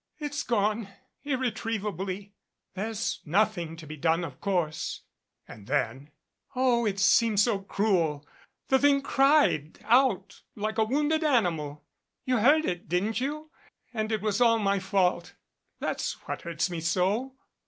"It's gone irretrievably. There's nothing to be done, of course." And then, "Oh ! it seems so cruel ! The thing cried out like a wounded animal. You heard it, didn't you? And it was all my fault. That's what hurts me so."